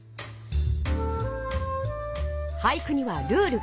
俳句にはルールがある。